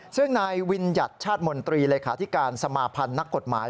ซึ่งนายวิญญัติชาติมนตรีเลขาธิการสมาพันธ์นักกฎหมาย